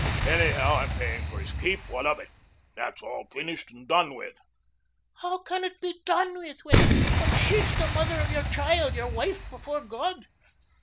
Anyhow I'm paying for his keep. What of it? That's all finished and done with." "How can it be done with when when she's the mother of your child, your wife before God?"